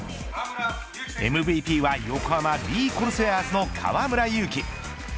ＭＶＰは横浜ビー・コルセアーズの河村勇輝。